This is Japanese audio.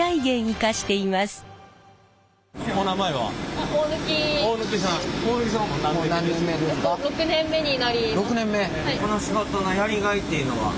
この仕事のやりがいっていうのは？